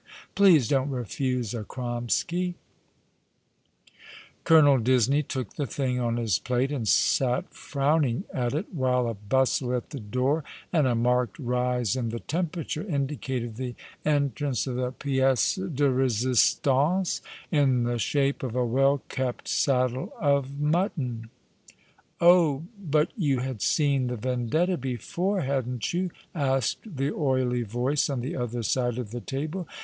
Please don't refuse a cromsky." 174 ^^^ along the River, Colonel Disney took the thing on his plate, and sat frown ing at it, while a bustle at the door and a marked rise in the temperature indicated the entrance of the 'piece de resist ance, in the shape of a well kept saddle of mutton. '' Oh, but you had seen the Vendetta before, hadn't you ?'' asked the oily Yoice on the other side of the table.